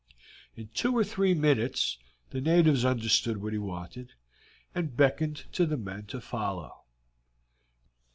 In two or three minutes the natives understood what he wanted, and beckoned to the men to follow.